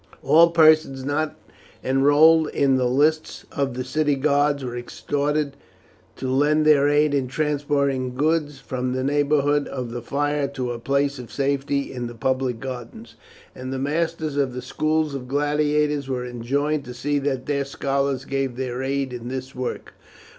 All persons not enrolled in the lists of the city guards were exhorted to lend their aid in transporting goods from the neighbourhood of the fire to a place of safety in the public gardens, and the masters of the schools of gladiators were enjoined to see that their scholars gave their aid in this work.